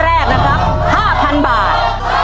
ถ้าถูกข้อแรกนะครับห้าพันบาท